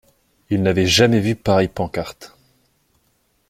Il n’avait jamais vu pareille pancarte.